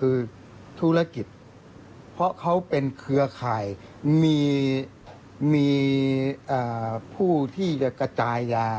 คือธุรกิจเพราะเขาเป็นเครือข่ายมีผู้ที่จะกระจายยา